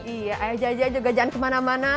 iya ayah jaja juga jangan kemana mana